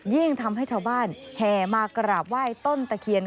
ยิ่งทำให้ชาวบ้านแห่มากระว่ายต้นตะเคียน